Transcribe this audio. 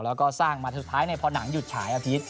แล้วก็สร้างมาสุดท้ายพอหนังหยุดฉายอาทิตย